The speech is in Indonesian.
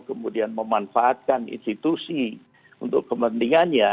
kemudian memanfaatkan institusi untuk kepentingannya